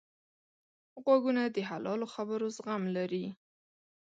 غوږونه د حلالو خبرو زغم لري